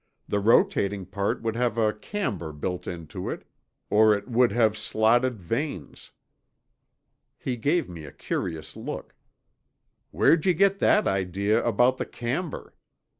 The rotating part would have a camber built into it, or it would have slotted vanes." He gave me a curious look, "Where'd you get that idea about the camber?"